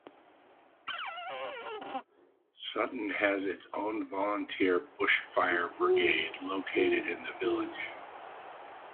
Sutton has its own volunteer Bush Fire Brigade located in the village.